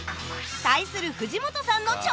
対する藤本さんの挑戦